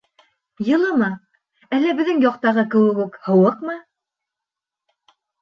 Йылымы, әллә беҙҙең яҡтағы кеүек үк, һыуыҡмы?